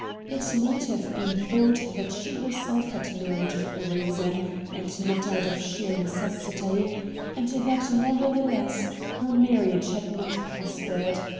It might have been thought that she herself had married for a reason and not out of sheer necessity, and that, nevertheless, her marriage had not pros pered.